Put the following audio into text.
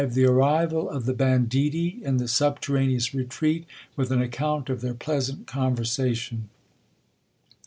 — The arrival of the banditti in the subterraneous retreat, until an account of their pleasant conversation.